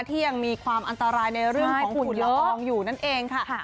ที่ยังมีความอันตรายในเรื่องของฝุ่นละอองอยู่นั่นเองค่ะ